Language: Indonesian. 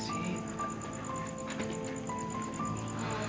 ga tau nih